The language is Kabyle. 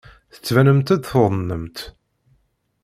Tettbanemt-d tuḍnemt.